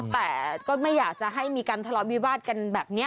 แต่ก็ไม่อยากจะให้มีการทะเลาะวิวาสกันแบบนี้